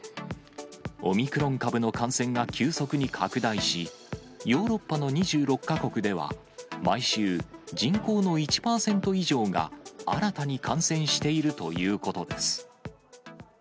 オミクロン株の感染が急速に拡大し、ヨーロッパの２６か国では、毎週、人口の１％以上が新たに感染しているということです。